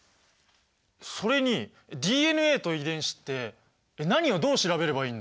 それにＤＮＡと遺伝子って何をどう調べればいいんだろう。